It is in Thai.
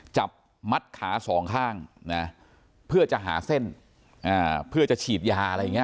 จับมัดขาสองข้างนะเพื่อจะหาเส้นเพื่อจะฉีดยาอะไรอย่างนี้